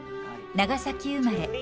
長崎生まれ。